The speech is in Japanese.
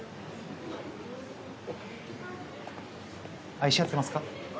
愛し合ってますか？